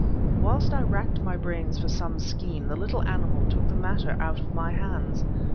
Whilst I racked my brains for some scheme, the little animal took the matter out of my hands.